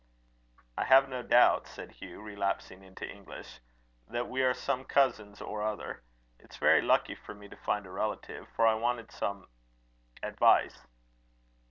"I have no doubt," said Hugh, relapsing into English, "that we are some cousins or other. It's very lucky for me to find a relative, for I wanted some advice."